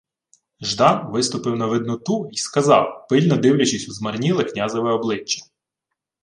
Ждан виступив на видноту й сказав, пильно дивлячись у змарніле князеве обличчя: